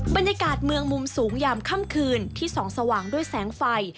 บรรยากาศเมืองมุมสูงยามค่ำคืนที่ส่องสว่างด้วยแสงไฟ